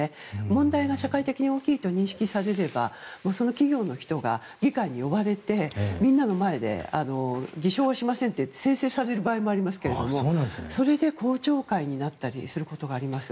問題が社会的に大きいと認識されればその企業の人が議会に呼ばれてみんなの前で偽証しませんって宣誓させる場合もありますけどそれで公聴会になったりすることがあります。